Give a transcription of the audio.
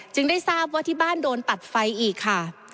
ได้ทราบว่าที่บ้านโดนตัดไฟอีกค่ะ